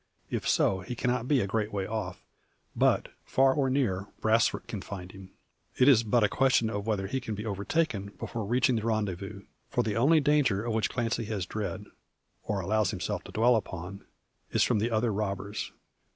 If so, he cannot be a great way off; but, far or near, Brasfort can find him. It is but a question of whether he can be overtaken before reaching the rendezvous. For the only danger of which Clancy has dread, or allows himself to dwell upon, is from the other robbers.